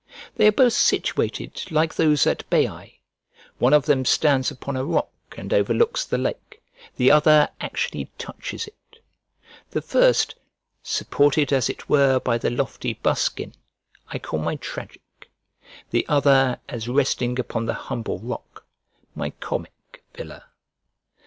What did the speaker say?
They are both situated like those at Baiae: one of them stands upon a rock, and overlooks the lake; the other actually touches it. The first, supported as it were by the lofty buskin, I call my tragic; the other, as resting upon the humble rock, my comic villa.